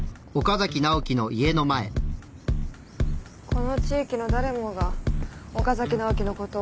この地域の誰もが岡崎直樹のこと褒めてる。